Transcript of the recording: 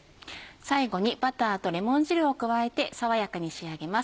最後にバターとレモン汁を加えて爽やかに仕上げます。